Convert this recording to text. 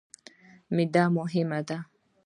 معده مهمه ده.